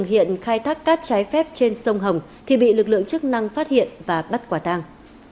hiện khai thác cát trái phép trên sông hồng thì bị lực lượng chức năng phát hiện và bắt quả tàng